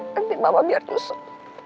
nanti mama biar nyusut